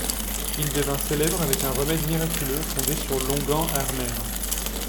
Il devint célèbre avec un remède miraculeux fondé sur l’onguent armaire.